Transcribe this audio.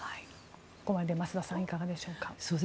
ここまで、増田さんいかがでしょうか。